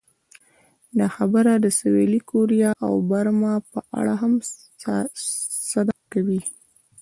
دا خبره د سویلي کوریا او برما په اړه هم صدق کوي.